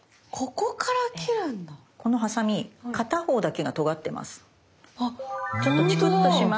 このハサミ片方だけがとがってます。